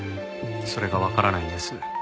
それがわからないんです。